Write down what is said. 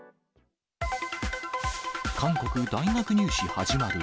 韓国大学入試始まる。